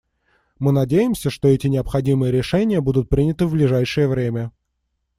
Мы надеемся, что эти необходимые решения будут приняты в ближайшее время.